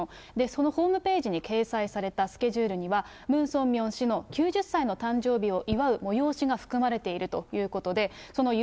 そのホームページに掲載されたスケジュールには、ムン・ソンミョン氏の９０歳の誕生日を祝う催しが含まれているということで、そのＵＰＦ